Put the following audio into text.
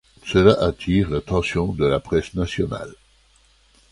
Celà attire l’attention de la presse nationale.